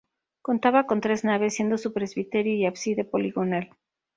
Contaba con tres naves, siendo su presbiterio y ábside poligonal.